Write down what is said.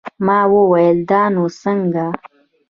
ما وويل دا نو څنگه.